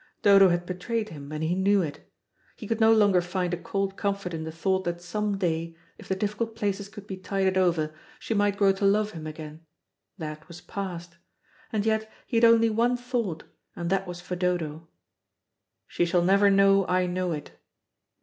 Dodo had betrayed him, and he knew it. He could no longer find a cold comfort in the thought that some day, if the difficult places could be tided over, she might grow to love him again. That was past. And yet he had only one thought, and that was for Dodo. "She shall never know I know it."